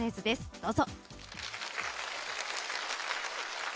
どうぞ。